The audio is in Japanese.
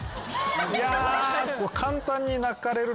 いや。